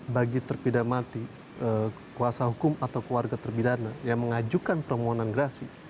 bagi terpidamati kuasa hukum atau keluarga terpidana yang mengajukan permohonan gerasi